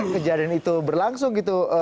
kejadian itu berlangsung gitu